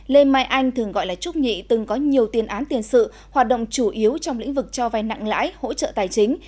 lê mai anh thường gọi là trúc nhị từng có nhiều tiền án tiền sự hoạt động chủ yếu trong lĩnh vực cho vai nặng lãi hỗ trợ tài chính